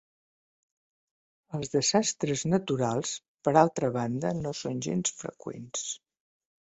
Els desastres naturals, per altra banda, no són gens freqüents.